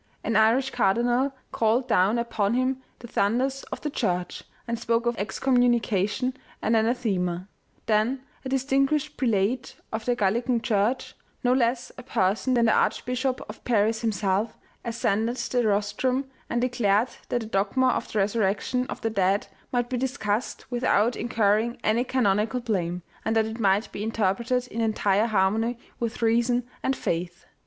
An Irish cardinal called down upon him the thunders of the Church, and spoke of excommunication and anathema ; then, a distinguished prelate of the Gallican church, no less a person than the archbishop of Paris himself, ascended the rostrum and declared that the dogma of the resurrection of the dead might be discussed without incurring any canonical blame, and that it might be interpreted in entire harmony with reason and faith.